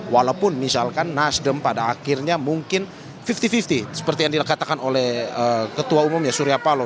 walaupun misalkan nasdem pada akhirnya mungkin lima puluh lima puluh seperti yang dikatakan oleh ketua umum ya surya paloh